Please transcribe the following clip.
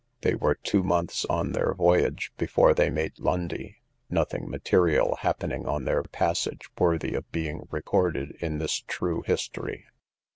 They were two months on their voyage before they made Lundy, nothing material happening on their passage worthy of being recorded in this true history.